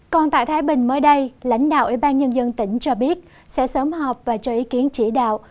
còn tại thái bình mới đây lãnh đạo ủy ban nhân dân tỉnh cho biết sẽ sớm họp và cho ý kiến chỉ đạo